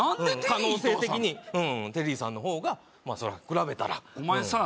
可能性的にテリーさんの方が比べたらお前さ